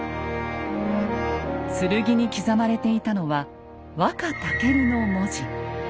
剣に刻まれていたのは「ワカタケル」の文字。